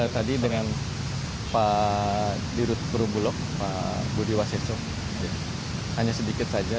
tadi dengan pak dirut perubulok pak budi waseso hanya sedikit saja